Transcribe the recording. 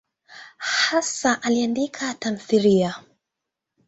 Hasa aliandika tamthiliya.